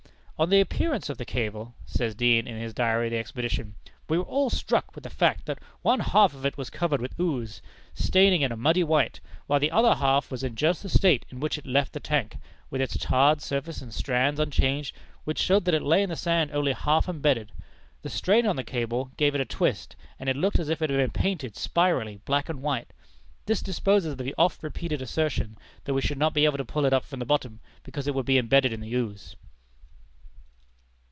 "On the appearance of the cable," says Deane, in his Diary of the Expedition, "we were all struck with the fact that one half of it was covered with ooze, staining it a muddy white, while the other half was in just the state in which it left the tank, with its tarred surface and strands unchanged, which showed that it lay in the sand only half embedded. The strain on the cable gave it a twist, and it looked as if it had been painted spirally black and white. This disposes of the oft repeated assertion, that we should not be able to pull it up from the bottom, because it would be embedded in the ooze."